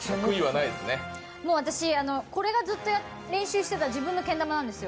これがずっと練習してた自分のけん玉なんです。